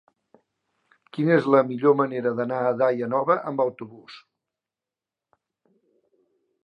Quina és la millor manera d'anar a Daia Nova amb autobús?